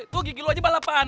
tuh gigi lo aja balapan